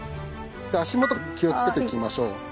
足元気をつけて行きましょう。